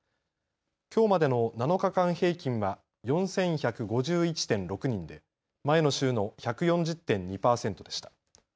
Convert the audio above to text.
きょうまでの７日間平均は４１５１．６人で前の週の１４０．２％でした。